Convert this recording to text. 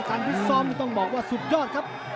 ฟิศซ้อมต้องบอกว่าสุดยอดครับ